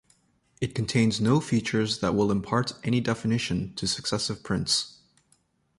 It contains no features that will impart any definition to successive prints.